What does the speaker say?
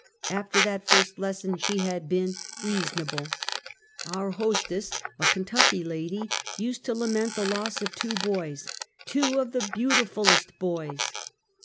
After that first lesson she had been "reasonable." Our hostess, a Kentucky lady, used to lament the loss of two boys —" two of the beautifulest boys!"